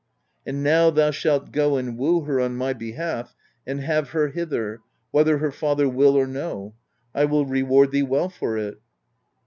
'And now thou shalt go and woo her on my behalf and have her hither, KttT«^ ^ h*^^^* whether her father will or no. I will reward thee well for it.'